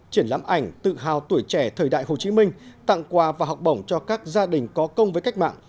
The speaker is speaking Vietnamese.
triển lãm ảnh tự hào tuổi trẻ thời đại hồ chí minh tặng quà và học bổng cho các gia đình có công với cách mạng